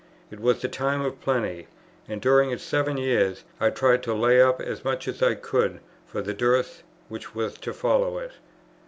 It was the time of plenty, and, during its seven years, I tried to lay up as much as I could for the dearth which was to follow it.